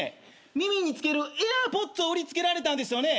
耳につけるＡｉｒＰｏｄｓを売りつけられたんですよね。